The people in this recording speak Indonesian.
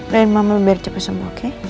lain mama biar cepat sembuh oke